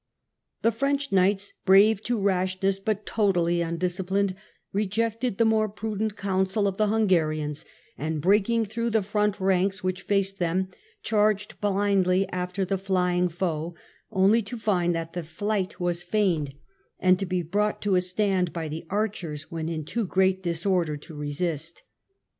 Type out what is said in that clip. The French Knights, brave to rashness but totally undisciplined, re jected the more prudent counsel of the Hungarians, and breaking through the front ranks which faced them, charged blindly after the flying foe, only to find that the flight was feigned, and to be brought to a stand by the archers when in too great disorder to resist.